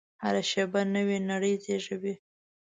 هره شېبه نوې نړۍ زېږوي.